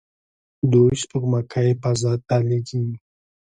دوی سپوږمکۍ فضا ته لیږي.